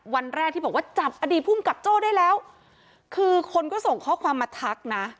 วันแรกที่บอกว่าจับอดีตภูมิกับโจ้ได้แล้วคือคนก็ส่งข้อความมาทักนะ